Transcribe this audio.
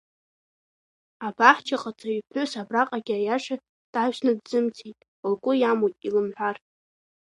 Абаҳчаҟаҵаҩ иԥҳәыс абраҟагьы аиаша даҩсны дзымцеит, лгәы иамуит илымҳәар…